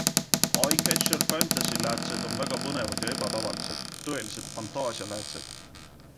EyeCatcher Fantasy läätsed on väga põnevad ja ebatavalised, tõelised fantaasialäätsed.